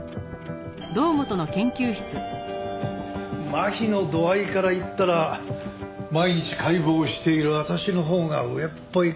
麻痺の度合いから言ったら毎日解剖している私のほうが上っぽいかな。